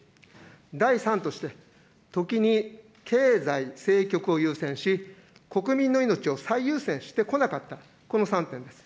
第３として、時に経済、政局を優先し、国民の命を最優先してこなかった、この３点です。